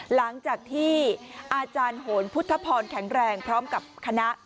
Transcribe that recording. หลังจากที่อาจารย์โหนพุทธพรแข็งแรงพร้อมกับคณะ